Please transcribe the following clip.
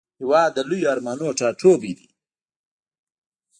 هېواد د لویو ارمانونو ټاټوبی دی.